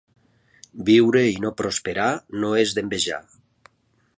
Viure i no prosperar no és d'envejar.